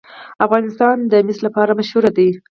افغانستان د مس لپاره مشهور دی.